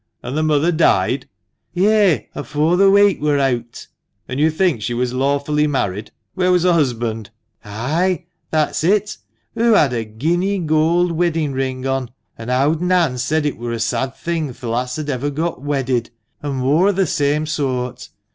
" And the mother died ?" "Yea! — afore the week wur eawt." "And you think she was lawfully married? Where was her husband ?"" Ay ! that's it ! Hoo had a guinea goold weddin' ring on ; an' owd Nan said it wur a sad thing th' lass had ever got wedded, an' moore o' the same soort.